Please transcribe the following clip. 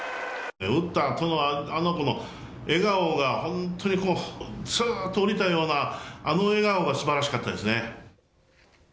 打ったあとの、あの子の笑顔が、本当に、こう、すっーと下りたようなあの笑顔がすばらしかったですね。